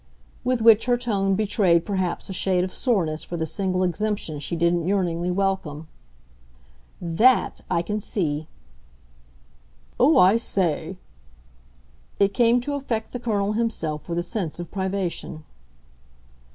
With which her tone betrayed perhaps a shade of soreness for the single exemption she didn't yearningly welcome. "THAT I can see." "Oh, I say !" It came to affect the Colonel himself with a sense of privation.